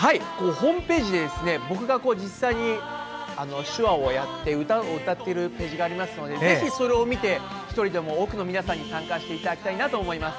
ホームページで僕が実際に手話をやって歌っているページがありますのでぜひそれを見て１人でも多くの皆さんに参加していただきたいなと思います。